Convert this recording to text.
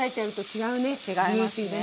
違いますね。